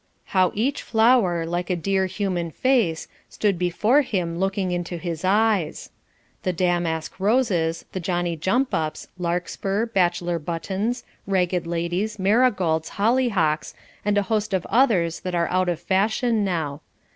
How each flower, like a dear human face, stood before him looking into his eyes. The damask roses, the Johnny jump ups, larkspur, bachelor buttons, ragged ladies, marigolds, hollyhocks, and a host of others that are out of fashion now.